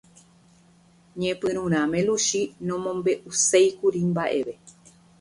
Ñepyrũrãme Luchi nomombe'uséikuri mba'eve.